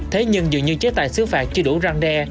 thế nhưng dường như chế tài xứ phạt chưa đủ răng đe